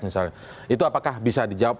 misalnya itu apakah bisa dijawab